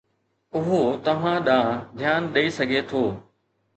اهو توهان ڏانهن ڌيان ڏئي سگهي ٿو.